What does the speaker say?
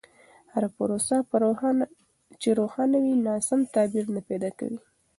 هره پروسه چې روښانه وي، ناسم تعبیر نه پیدا کوي.